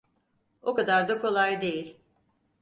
O kadar da kolay değil.